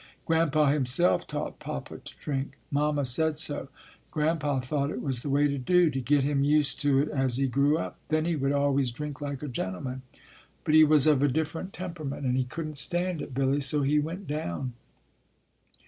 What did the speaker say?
Grandpa himself taught Papa to drink; Mamma said so. Grandpa thought it was the way to do, to get him used to it as he grew up, then he would always drink like a gentleman. But he was of a different temperament At Two Forks 7 and he couldn t stand it, Billy, so he went down.